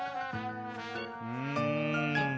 うん。